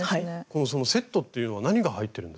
このセットっていうのは何が入ってるんですか？